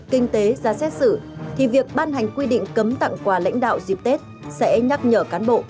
kinh tế ra xét xử thì việc ban hành quy định cấm tặng quà lãnh đạo dịp tết sẽ nhắc nhở cán bộ